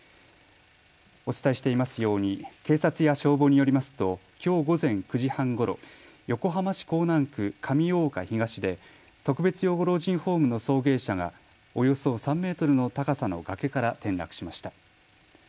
お伝えしていますように警察や消防によりますときょう午前９時半ごろ、横浜市港南区上大岡東で特別養護老人ホームの送迎車がおよそ３メートルの高さの崖から転落しました。